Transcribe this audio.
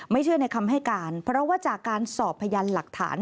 เชื่อในคำให้การเพราะว่าจากการสอบพยานหลักฐาน